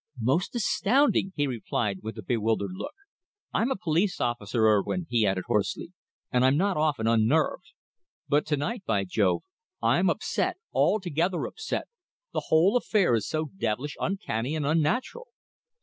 "Most astounding," he replied, with a bewildered look. "I'm a police officer, Urwin," he added hoarsely, "and I'm not often unnerved. But to night, by Jove! I'm upset altogether upset. The whole affair is so devilish uncanny and unnatural."